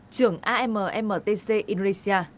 trưởng ammtc indonesia